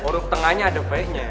orang tengahnya ada v nya